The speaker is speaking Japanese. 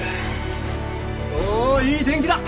おおいい天気だ！